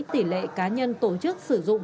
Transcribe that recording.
tỷ lệ cá nhân tổ chức sử dụng